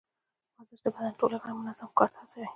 ورزش د بدن ټول غړي منظم کار ته هڅوي.